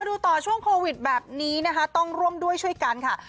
ดูต่อช่วงโควิดแบบนี้นะคะต้องร่วมด้วยช่วยกันค่ะ